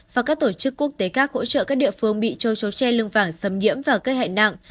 và các tổ chức quốc tế khác hỗ trợ các địa phương bị châu số tre lương vàng xâm nhiễm và gây hại nặng